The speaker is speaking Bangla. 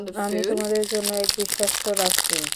আমি তোমাদের জন্যে এক বিশ্বস্ত রাসূল।